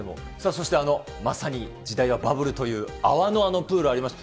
そしてまさに時代はバブルという、泡のあのプールありました。